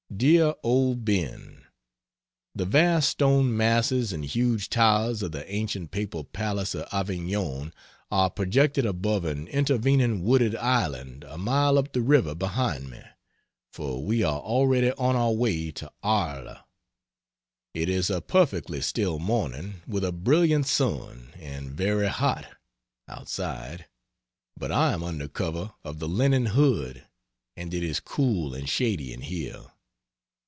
DEAR OLD BEN, The vast stone masses and huge towers of the ancient papal palace of Avignon are projected above an intervening wooded island a mile up the river behind me for we are already on our way to Arles. It is a perfectly still morning, with a brilliant sun, and very hot outside; but I am under cover of the linen hood, and it is cool and shady in here.